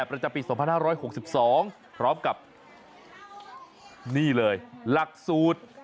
ประจำปี๒๕๖๒พร้อมกับนี่เลยหลักสูตร